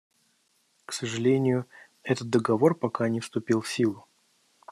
К сожалению, этот Договор пока не вступил в силу.